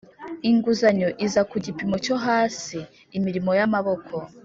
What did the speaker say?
inguzanyo iza ku gipimo cyo hasi Imirimo y amaboko